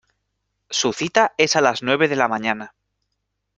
Su cita es a las nueve de la mañana.